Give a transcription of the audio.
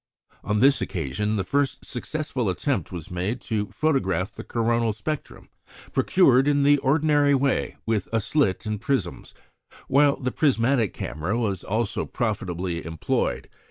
On this occasion, the first successful attempt was made to photograph the coronal spectrum procured in the ordinary way with a slit and prisms, while the prismatic camera was also profitably employed.